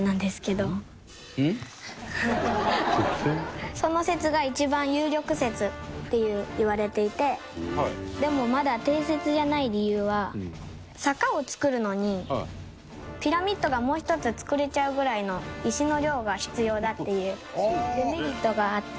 環子ちゃん：その説が一番有力説っていわれていてでも、まだ定説じゃない理由は坂を作るのに、ピラミッドがもう１つ作れちゃうぐらいの石の量が必要だっていうデメリットがあって。